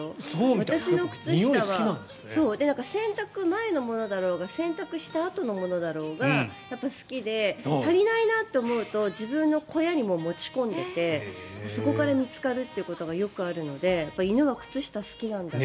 私の靴下洗濯前のものだろうが洗濯したあとのものだろうがやっぱり好きで足りないなと思うと自分の小屋にも持ち込んでいてそこから見つかるということがよくあるので犬は靴下、好きなんだなと。